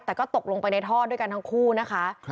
แต่ก็ตกลงไปในท่อด้วยกันทั้งคู่นะคะ